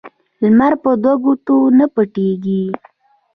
لمر په دو ګوتو نه پټېږي